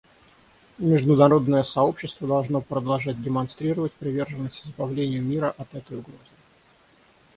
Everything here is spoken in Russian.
Международное сообщество должно продолжать демонстрировать приверженность избавлению мира от этой угрозы.